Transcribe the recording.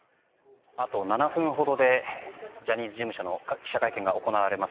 あと７分ほどでジャニーズ事務所の記者会見が行われます。